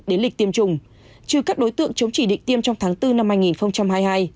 đến lịch tiêm chủng trừ các đối tượng chống chỉ định tiêm trong tháng bốn năm hai nghìn hai mươi hai